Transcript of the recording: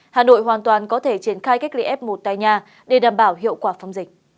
hà nội hoàn toàn có thể triển khai cách ly f một tại nhà để đảm bảo hiệu quả phòng dịch